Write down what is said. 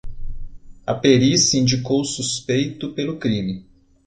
A perícia indicou o suspeito pelo crime.